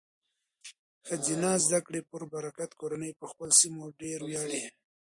د ښځینه زده کړې په برکت، کورنۍ په خپلو سیمو ډیر ویاړي.